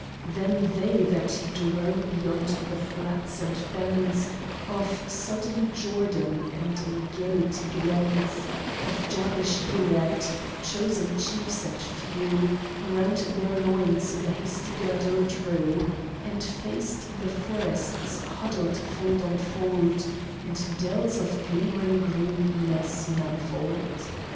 Then they that dwell beyond the flats and fens Of sullen Jordan, and in gelid glens Of Jabesh Gilead chosen chiefs and few Around their loins the hasty girdle drew, And faced the forests, huddled fold on fold, And dells of glimmering greenness manifold.